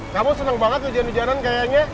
kamu senang banget hujan hujanan kayaknya